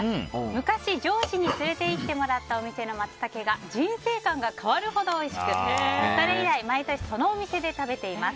昔、上司に連れて行ってもらったお店のマツタケが人生観が変わるほどおいしくそれ以来毎年そのお店で食べています。